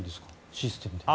システムで。